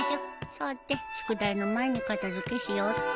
さて宿題の前に片付けしよっと。